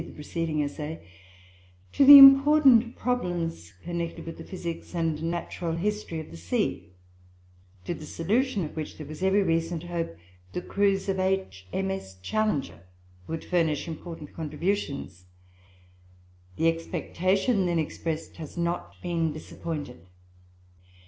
CHALLLENGER In May, 1873, I drew attention to the important problems connected with the physics and natural history of the sea, to the solution of which there was every reason to hope the cruise of H.M.S. Challenger would furnish important contributions. The expectation then expressed has not been disappointed.